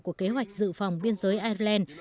của kế hoạch sự phòng biên giới ireland